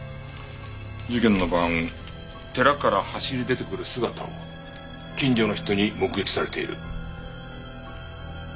事件の晩寺から走り出てくる姿を近所の人に目撃されている。